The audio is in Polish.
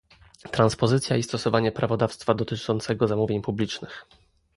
Transpozycja i stosowanie prawodawstwa dotyczącego zamówień publicznych